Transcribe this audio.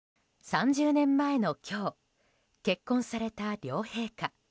３０年前の今日結婚された両陛下。